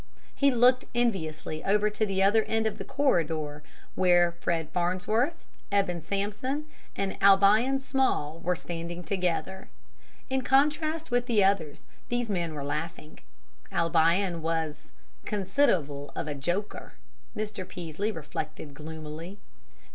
He looked enviously over to the other end of the corridor, where Fred Farnsworth, Eben Sampson, and Albion Small were standing together. In contrast with the others, these men were laughing. Albion was "consid'able of a joker," Mr. Peaslee reflected gloomily.